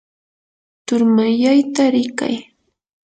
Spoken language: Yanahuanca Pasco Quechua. turmanyayta rikay.